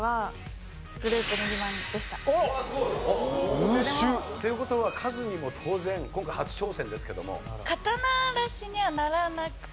あっ優秀！という事はカズにも当然今回初挑戦ですけども。